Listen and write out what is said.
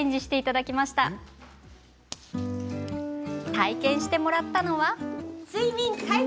体験してもらったのは。